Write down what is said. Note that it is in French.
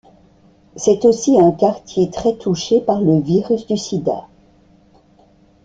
C'est aussi un quartier très touché par le virus du Sida.